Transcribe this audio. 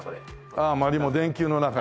ああマリモ電球の中に。